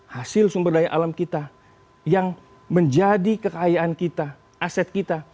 hasil sumber daya alam kita yang menjadi kekayaan kita aset kita